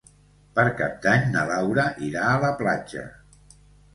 Per Cap d'Any na Laura irà a la platja.